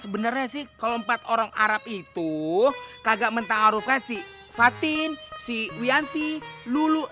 ya sebenarnya sih kalau empat orang arab itu kagak mentang arufkan si fatin si wianti luluh